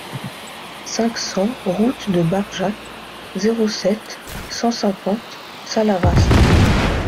cinq cents route de Barjac, zéro sept, cent cinquante Salavas